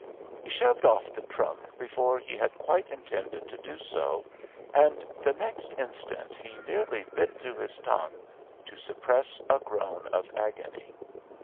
He shoved off the trunk before he had quite intended to do so, and the next instant he nearly bit through his tongue to suppress a groan of agony.